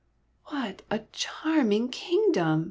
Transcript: ''What a charming kingdom!"